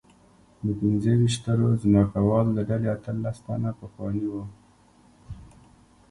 د پنځه ویشت سترو ځمکوالو له ډلې اتلس تنه پخواني وو.